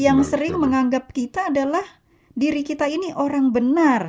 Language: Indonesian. yang sering menganggap kita adalah diri kita ini orang benar